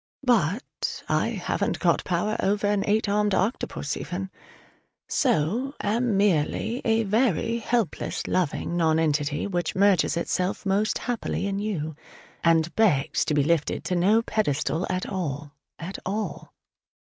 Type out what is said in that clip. But I haven't got power over an eight armed octopus even: so am merely a very helpless loving nonentity which merges itself most happily in you, and begs to be lifted to no pedestal at all, at all.